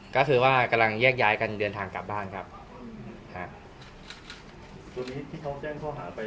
ก็คือว่ากำลังแยกย้ายกันเดินทางกลับบ้านครับฮะจุดนี้ที่เขาแจ้งข้อหาไป